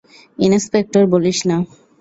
Inspector বলিস না।